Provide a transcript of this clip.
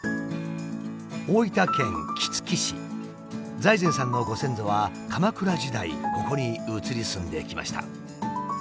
財前さんのご先祖は鎌倉時代ここに移り住んできました。